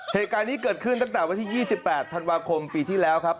เหตุการณ์นี้เกิดขึ้นตั้งแต่วันที่๒๘ธันวาคมปีที่แล้วครับ